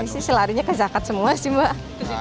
ini sih selarinya ke zakat semua sih mbak